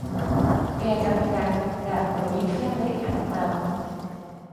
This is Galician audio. É a capital da provincia de Annaba.